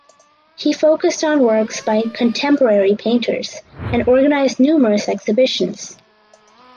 He focused on works by contemporary painters and organised numerous exhibitions.